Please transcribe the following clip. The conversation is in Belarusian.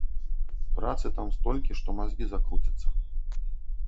Працы там столькі, што мазгі закруцяцца.